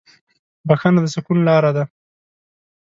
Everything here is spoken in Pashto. بښنه د سکون لاره ده.